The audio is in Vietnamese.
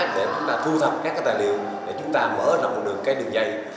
để chúng ta thu thập các tài liệu để chúng ta mở rộng đường dây